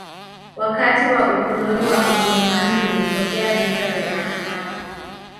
wakati wa ukoloni wa ujerumani vilitokea vita vya majimaji